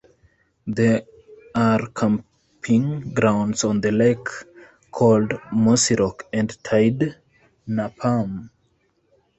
There are camping grounds on the lake called Mossyrock and Taidnapam.